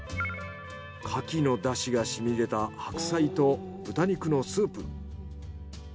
カキのダシがしみ出た白菜と豚肉のスープ。